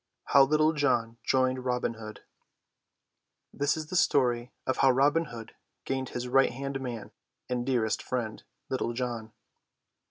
HOW LITTLE JOHN JOINED ROBIN HOOD This is the story of how Robin gained his right hand man and dearest friend, Little John.